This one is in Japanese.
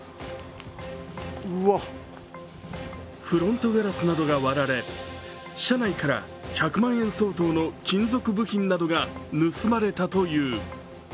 フロントガラスなどが割られ車内から１００万円相当の金属部品などが盗まれたという。